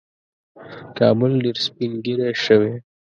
کابل ډېر سپین ږیری شوی